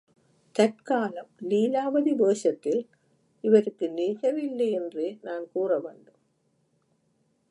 தற்காலம் லீலாவதி வேஷத்தில் இவருக்கு நிகரில்லையென்றே நான் கூறவேண்டும்.